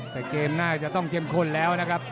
แต่เกมน่าจะต้องเข้มข้นแล้วนะครับ